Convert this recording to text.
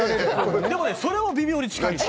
でもねそれも微妙に近いの。